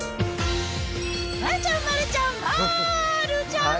丸ちゃん、丸ちゃん、丸ちゃん。